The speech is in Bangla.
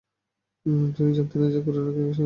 তিনি জানতেন না যে করুণাকে সেখানে দেখিতে পাইবেন।